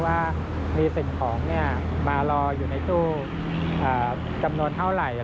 ว่ามีสิ่งของมารออยู่ในตู้จำนวนเท่าไหร่